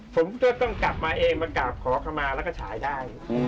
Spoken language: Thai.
ผมก็ต้องกลับมาเองมากราบขอเข้ามาแล้วก็ฉายได้